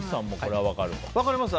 分かります。